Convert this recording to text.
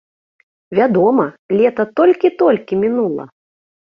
Вядома, лета толькі-толькі мінула!